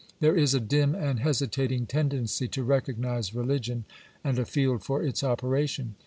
There is a dim and hesitating tendency to recognise religion and a field for its operation.